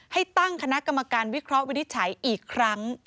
ให้ตั้งคณะกรรมการวิเคราะห์วินิจฉัยอีกครั้ง